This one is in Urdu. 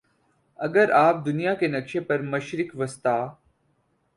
اگر آپ دنیا کے نقشے پر مشرق وسطیٰ